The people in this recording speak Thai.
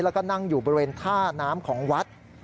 แล้วก็นั่งอยู่บริเวณท่าน้ำของวัด